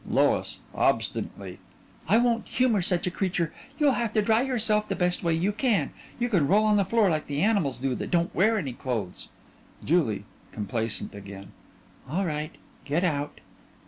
LOIS: (Obstinately) I won't humor such a creature. You'll have to dry yourself the best way you can. You can roll on the floor like the animals do that don't wear any clothes. JULIE: (Complacent again) All right. Get out!